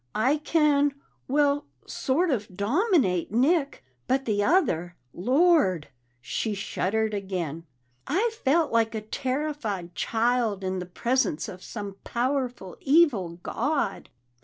I can well, sort of dominate Nick, but the other Lord!" She shuddered again. "I felt like a terrified child in the presence of some powerful, evil god."